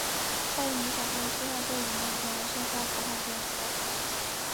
夏季明显分为初夏多雨的梅雨天和盛夏的伏旱天两段。